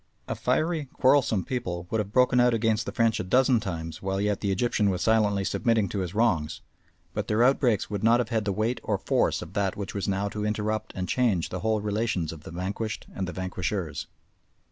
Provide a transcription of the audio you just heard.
A fiery, quarrelsome people would have broken out against the French a dozen times while yet the Egyptian was silently submitting to his wrongs, but their outbreaks would not have had the weight or force of that which was now to interrupt and change the whole relations of the vanquished and the vanquishers.